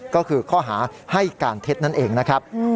ก็คือข้อหาให้การเท็จนั่นเองนะครับ